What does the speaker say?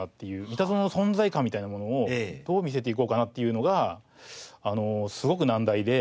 三田園の存在感みたいなものをどう見せていこうかなっていうのがすごく難題で。